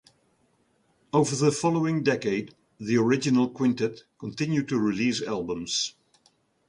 Over the following decade, the original quintet continued to release albums.